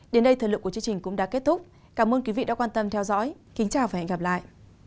đến đây thời lượng của chương trình cũng đã kết thúc cảm ơn quý vị đã quan tâm theo dõi kính chào và hẹn gặp lại